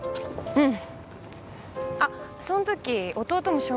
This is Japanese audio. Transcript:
うん。